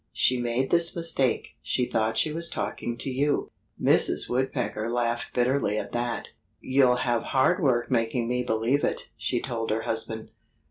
She made this mistake: She thought she was talking to you." Mrs. Woodpecker laughed bitterly at that. "You'll have hard work making me believe it," she told her husband.